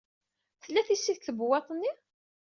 Tella tisist deg tbewwaṭ-nni.